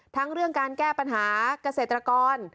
ทั้งเรื่องการแก้ปัญหาเกษตรกร